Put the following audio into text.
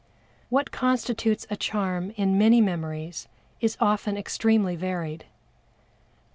What constitutes a charm in many memories is often extremely varied.